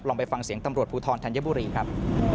ไปฟังเสียงตำรวจภูทรธัญบุรีครับ